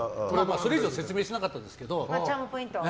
それ以上説明しなかったですけど。